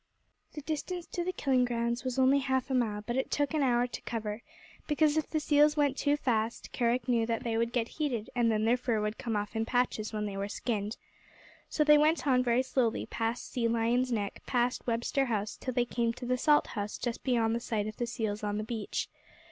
The distance to the killing grounds was only half a mile, but it took an hour to cover, because if the seals went too fast Kerick knew that they would get heated and then their fur would come off in patches when they were skinned. So they went on very slowly, past Sea Lion's Neck, past Webster House, till they came to the Salt House just beyond the sight of the seals on the beach.